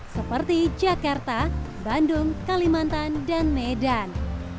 seperti jakarta bandung kalimantan dan medan